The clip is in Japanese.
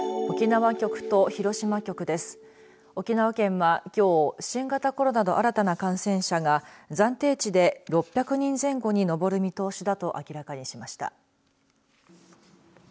沖縄県は、きょう新型コロナの新たな感染者が暫定値で６００人前後に上る見通しだと明らかにしました。